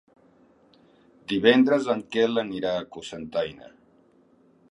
Divendres en Quel anirà a Cocentaina.